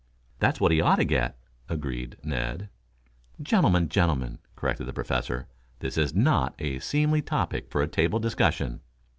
"That's what he ought to get," agreed Ned. "Gentlemen, gentlemen!" corrected the Professor. "This is not a seemly topic for table discussion."